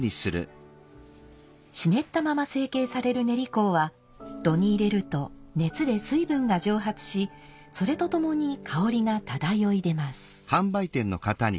湿ったまま成形される練香は炉に入れると熱で水分が蒸発しそれとともに香りが漂い出ます。